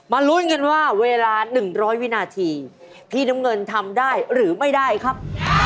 ลุ้นกันว่าเวลา๑๐๐วินาทีพี่น้ำเงินทำได้หรือไม่ได้ครับ